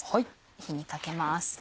火にかけます。